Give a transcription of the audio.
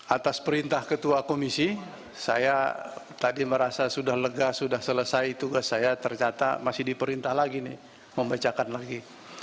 atas perintah ketua komisi saya tadi merasa sudah lega sudah selesai tugas saya ternyata masih diperintah lagi nih membacakan lagi